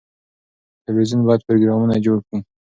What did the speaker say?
تلویزیون باید پروګرامونه جوړ کړي.